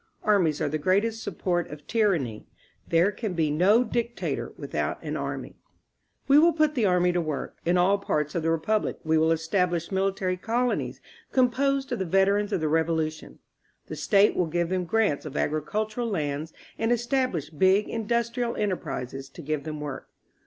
Armies are the greatest support of tyranny. There can be no dictator with out an army. "We will put the army to work. In all parts of the Republic we will establish military colonies com posed of the veterans of the Revolution. The State will give them grants of agricultural lands and estab lish big industrial enterprises to give them work.